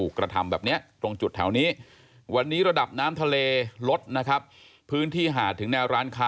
ก็คิดว่ามันสุขมาก